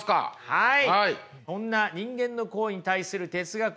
はい。